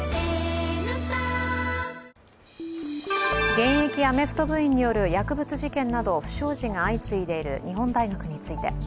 現役アメフト部員による薬物事件など不祥事が相次いでいる日本大学について。